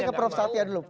saya ke prof satya dulu